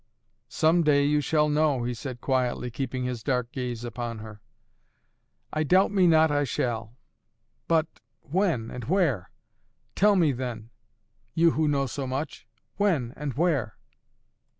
"Some day you shall know," he said quietly, keeping his dark gaze upon her. "I doubt me not I shall! But when and where? Tell me then, you who know so much! When and where?"